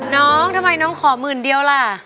น้องทำไมน้องขอหมื่นเดียวล่ะ